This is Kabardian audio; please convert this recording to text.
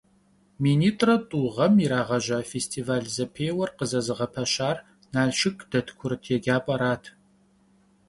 Минитӏрэ тӏу гъэм ирагъэжьа фестиваль-зэпеуэр къызэзыгъэпэщар Налшык дэт курыт еджапӏэрат.